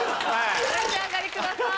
・お召し上がりください。